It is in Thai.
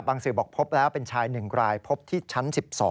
สื่อบอกพบแล้วเป็นชาย๑รายพบที่ชั้น๑๒